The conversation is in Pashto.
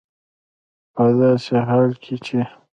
په داسې حال کې چې